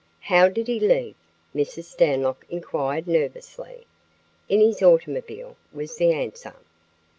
"How did he leave?" Mrs. Stanlock inquired nervously. "In his automobile," was the answer.